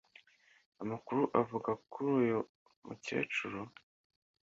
amakuru avuga kuru uyu mukecuru